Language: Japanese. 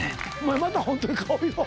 またホントに顔色。